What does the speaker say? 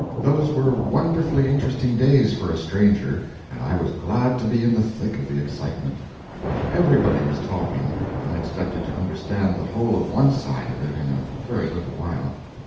Those were wonderfully interesting days for a stranger, and I was glad to be in the thick of the excitement. Everybody was talking, and I expected to understand the whole of one side of it in a very little while.